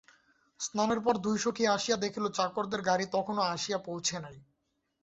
স্নানের পর দুই সখী আসিয়া দেখিল, চাকরদের গাড়ি তখনো আসিয়া পৌঁছে নাই।